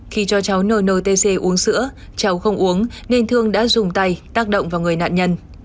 khi cho cháu nntc uống sữa cháu không uống nên thương đã dùng tay tác động vào người nạn nhân